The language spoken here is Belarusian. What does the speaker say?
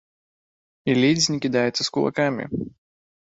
І ледзь не кідаецца з кулакамі!